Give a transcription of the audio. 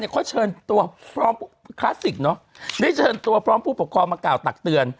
คลาสสิกเนอะนี่เชิญตัวพร้อมผู้ปกครองมาก่าวตักเตือน